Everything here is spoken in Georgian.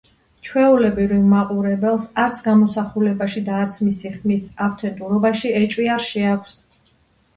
ჩვეულებრივ მაყურებელს არც გამოსახულებაში და არც მისი ხმის ავთენტურობაში ეჭვი არ შეაქვს.